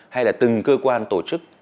hay là từng cơ quan tổ chức